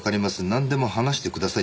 「なんでも話してください。